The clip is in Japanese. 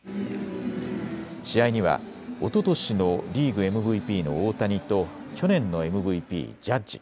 試合にはおととしのリーグＭＶＰの大谷と去年のＭＶＰ、ジャッジ。